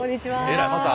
えらいまた。